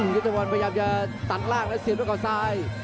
ยุทธบอลพยายามจะตัดล่างแล้วเสียบเข้าซ้าย